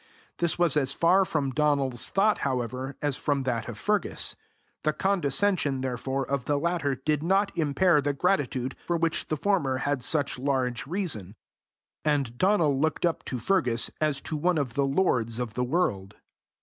This was as far from Donal's thought, however, as from that of Fergus; the condescension, therefore, of the latter did not impair the gratitude for which the former had such large reason; and Donal looked up to Fergus as to one of the lords of the world.